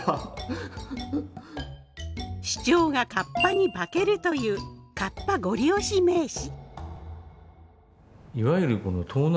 市長がカッパに化けるというカッパごり押し名刺。